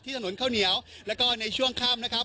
ถนนข้าวเหนียวแล้วก็ในช่วงค่ำนะครับ